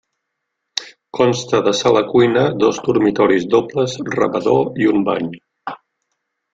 Consta de sala-cuina, dos dormitoris dobles, rebedor i un bany.